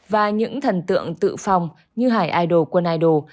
và những thần tượng tự phong như hải idol quân idol